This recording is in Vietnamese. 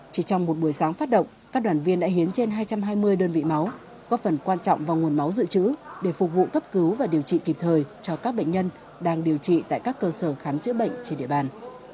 chỉ trong một buổi sáng phát động các đoàn viên đã hiến trên hai trăm hai mươi đơn vị máu góp phần quan trọng vào nguồn máu dự trữ để phục vụ cấp cứu và điều trị kịp thời cho các bệnh nhân đang điều trị tại các cơ sở khám chữa bệnh trên địa bàn